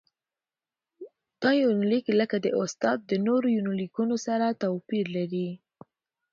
دا يونليک لکه د استاد د نورو يونليکونو سره تواپېر لري.